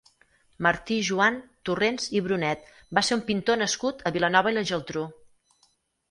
Martí Joan Torrents i Brunet va ser un pintor nascut a Vilanova i la Geltrú.